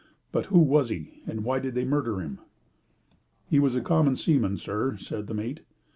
But who was he, and why did they murder him?" "He was a common seaman, sir," said the mate.